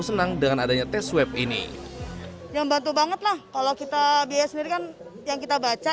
senang dengan adanya tes web ini yang bantu banget lah kalau kita biasakan yang kita baca